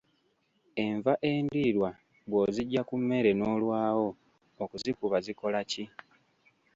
Enva endiirwa bw'oziggya ku mmere n'olwawo okuzikuba zikola ki?